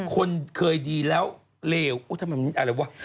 คนเคยดีแล้วเลวทำไมมันอะไรวะ